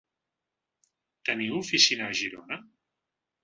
Teniu oficina a Girona?